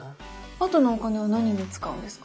あとのお金は何に使うんですか？